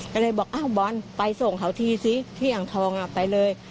ก็เลยบอกอ้าวบอลไปส่งเขาทีซิที่อ่างทองไปเลย